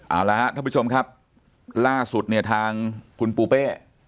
เอาละครับท่านผู้ชมครับล่าสุดเนี่ยทางคุณปูเป้